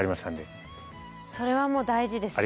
それはもう大事です